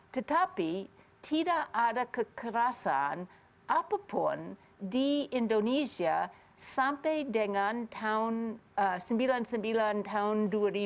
tetapi tidak ada kekerasan apapun di indonesia sampai dengan tahun sembilan puluh sembilan dua ribu